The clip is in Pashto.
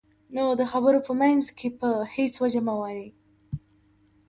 نو د خبرو په منځ کې په هېڅ وجه مه وایئ.